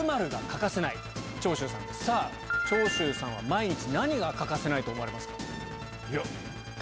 長州さんは毎日何が欠かせないと思われますか？